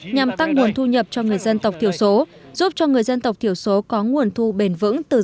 nhằm tăng nguồn thu nhập cho người dân tộc thiểu số giúp cho người dân tộc thiểu số có nguồn thu bền vững từ rừng